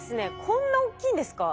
こんなおっきいんですか？